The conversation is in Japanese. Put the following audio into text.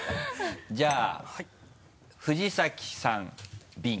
じゃあ藤崎さんビン。